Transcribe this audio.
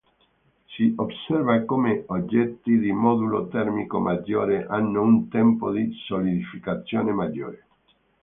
Si osserva come oggetti di modulo termico maggiore hanno un tempo di solidificazione maggiore.